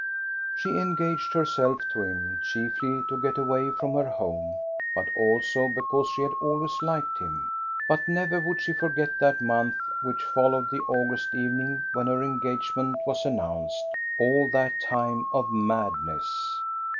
She engaged herself to him, chiefly to get away from her home, but also because she had always iiked him. But never would she forget that month which fol lowed the August evening when her engagement was announced, — all that time of madness.